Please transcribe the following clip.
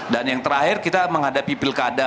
dan yang terakhir kita menghadapi pilkada